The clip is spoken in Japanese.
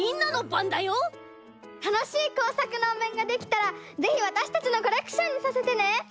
たのしいこうさくのおめんができたらぜひわたしたちのコレクションにさせてね。